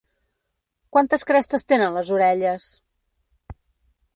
Quantes crestes tenen les orelles?